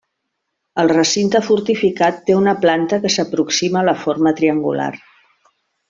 El recinte fortificat té una planta que s'aproxima a la forma triangular.